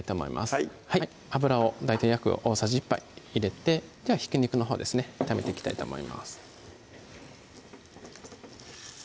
はい油を大体約大さじ１杯入れてではひき肉のほうですね炒めていきたいと思います